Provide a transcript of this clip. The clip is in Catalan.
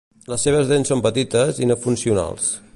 Les seves dents són petites i no funcionals.